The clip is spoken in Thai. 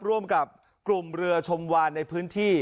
ร่วมกับกลุ่มเรือชมวานในพื้นที่